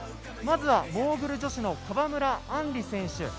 まずはモーグル女子の川村あんり選手。